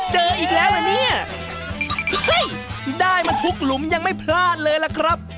เจออีกแล้วล่ะเนี่ยเฮ้ยได้มาทุกหลุมยังไม่พลาดเลยล่ะครับ